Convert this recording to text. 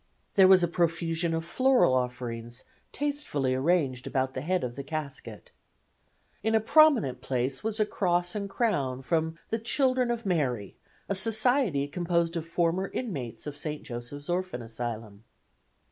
There was a profusion of floral offerings tastefully arranged about the head of the casket. In a prominent place was a cross and crown from the "Children of Mary," a society composed of former inmates of St. Joseph's Orphan Asylum.